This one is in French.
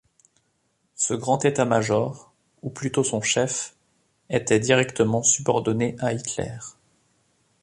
Ce grand état-major ou plutôt son chef était directement subordonné à Hitler.